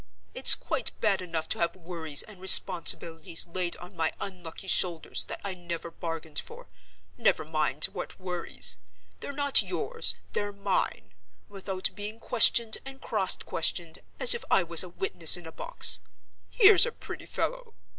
It's quite bad enough to have worries and responsibilities laid on my unlucky shoulders that I never bargained for—never mind what worries: they're not yours, they're mine—without being questioned and cross questioned as if I was a witness in a box. Here's a pretty fellow!"